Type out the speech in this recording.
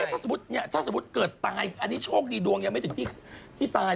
อันนี้ถ้าเกิดตายอันนี้โชคนิดวงยังไม่จนที่ตาย